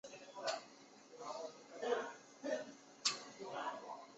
中文版由尖端出版社出版。